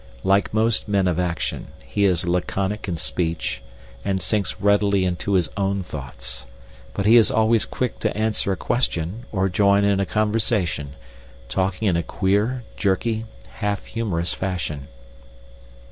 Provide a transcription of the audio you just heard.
Like most men of action, he is laconic in speech, and sinks readily into his own thoughts, but he is always quick to answer a question or join in a conversation, talking in a queer, jerky, half humorous fashion.